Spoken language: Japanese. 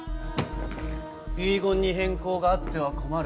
遺言に変更があっては困る